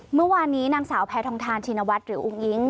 เมื่อวานนี้นางสาวแพทองทานชินวัฒน์หรืออุ้งอิ๊ง